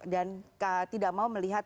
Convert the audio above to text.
dan tidak mau melihat